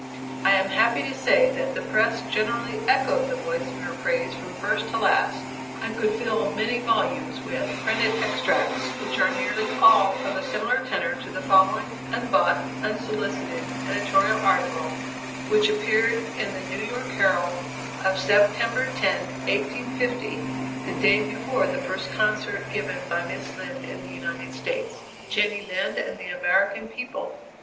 I am happy to say that the press generally echoed the voice of her praise from first to last. I could fill many volumes with printed extracts which are nearly all of a similar tenor to the following unbought, unsolicited editorial article, which appeared in the New York Herald of Sept. 10, 1850 (the day before the first concert given by Miss Lind in the United States): "JENNY LIND AND THE AMERICAN PEOPLE.